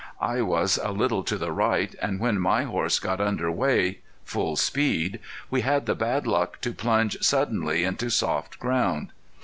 I was a little to the right, and when my horse got under way, full speed, we had the bad luck to plunge suddenly into soft ground.